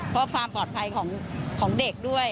เพราะความปลอดภัยของเด็กด้วย